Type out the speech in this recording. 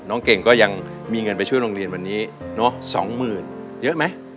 เก่งก็ยังมีเงินไปช่วยโรงเรียนวันนี้เนอะสองหมื่นเยอะไหม